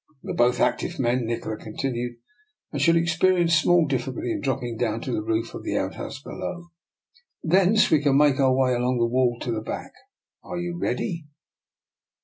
" We are both active men," Nikola con tinued, " and should experience small diffi culty in dropping on to the roof of the out house below; thence we can make our way along the wall to the back. Are you ready?